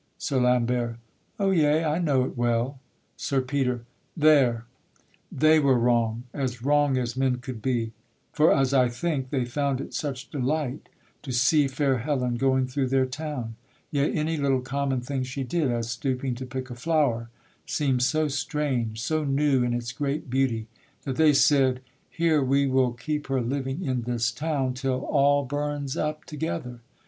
SIR LAMBERT. O! yea, I know it well. SIR PETER. There! they were wrong, as wrong as men could be For, as I think, they found it such delight To see fair Helen going through their town; Yea, any little common thing she did (As stooping to pick a flower) seem'd so strange, So new in its great beauty, that they said: Here we will keep her living in this town, Till all burns up together.